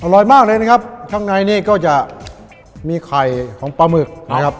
อร่อยมากเลยนะครับข้างในนี่ก็จะมีไข่ของปลาหมึกนะครับ